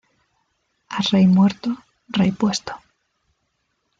A rey muerto, rey puesto